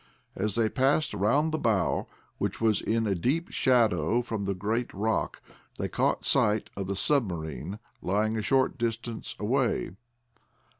As they passed around the bow, which was in a deep shadow from a great rock, they caught sight of the submarine lying a short distance away.